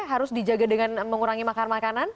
harus dijaga dengan mengurangi makar makanan